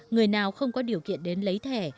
người nào không có điều kiện đến lấy thẻ